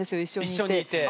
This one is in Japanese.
一緒にいて。